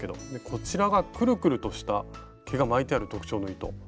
こちらがくるくるとした毛が巻いてある特徴の糸。